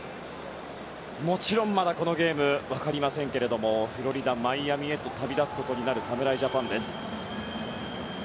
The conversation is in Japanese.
もちろん、まだこのゲーム分かりませんけれどもフロリダ・マイアミへと旅立つことになる侍ジャパン。